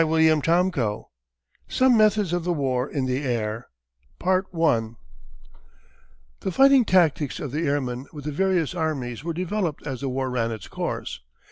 CHAPTER VII SOME METHODS OF THE WAR IN THE AIR The fighting tactics of the airmen with the various armies were developed as the war ran its course.